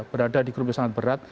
berada di grup yang sangat berat